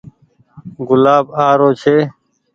گلآب آ رو ڇي ۔